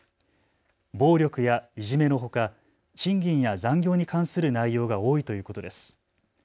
暴力やいじめのほか賃金や残業に関する内容が多いということです。